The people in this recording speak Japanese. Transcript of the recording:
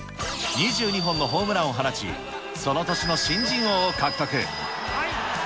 ２２本のホームランを放ち、その年の新人王を獲得。